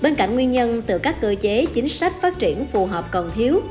nguyên nhân từ các cơ chế chính sách phát triển phù hợp còn thiếu